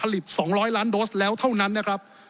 ติดสองร้อยล้านโดสแล้วเท่านั้นนะครับ